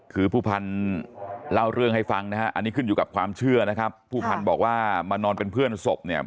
คือผู้พันธุ์เล่าเรื่องให้ฟังนะฮะอันนี้ขึ้นอยู่กับความเชื่อนะครับผู้พันธุ์บอกว่ามานอนเป็นเพื่อนศพเนี่ย